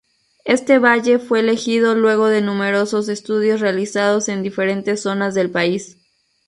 Este valle fue elegido luego de numerosos estudios realizados en diferentes zonas del país.